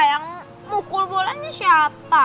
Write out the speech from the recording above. yang mukul bolanya siapa